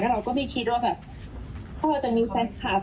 เราก็ไม่คิดว่าแบบพ่อจะมีแฟนคลับ